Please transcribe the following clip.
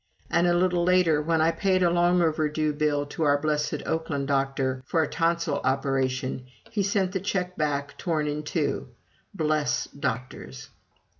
And a little later, when I paid a long overdue bill to our blessed Oakland doctor for a tonsil operation, he sent the check back torn in two. Bless doctors!